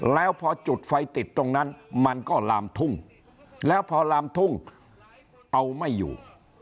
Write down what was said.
แล้วพอจุดไฟติดตรงนั้นมันก็ลามทุ่งแล้วพอลามทุ่งเอาไม่อยู่